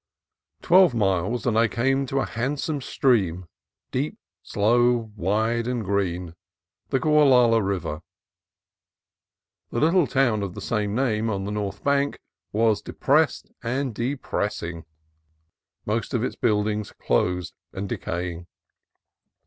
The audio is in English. Twelve miles, and I came to a handsome stream, deep, slow, wide, and green, the Gualala River. The little town of the same name, on the north bank, was depressed and depressing, most of its buildings closed and decaying.